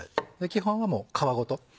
基本はもう皮ごと。